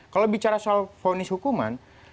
kalau bicara soal fonis hukuman